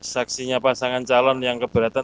saksinya pasangan calon yang keberatan